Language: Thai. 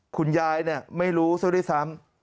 คุณยายไม่รู้ซึ่งได้ซ้ำ